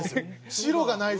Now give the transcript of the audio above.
白がないと。